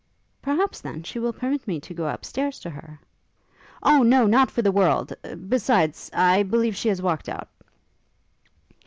'Perhaps, then, she will permit me to go up stairs to her?' 'O no, not for the world! besides ... I believe she has walked out.'